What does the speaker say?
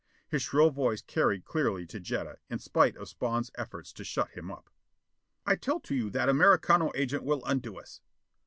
His shrill voice carried clearly to Jetta, in spite of Spawn's efforts to shut him up. "I tell to you that Americano agent will undo us."